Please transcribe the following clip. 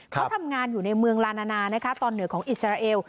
เขาทำงานอยู่ในเมืองลานานานะคะตอนเหนือของอิสราเอล